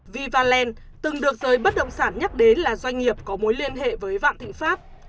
vivaland từng được giới bất động sản nhắc đến là doanh nghiệp có mối liên hệ với vạn thịnh pháp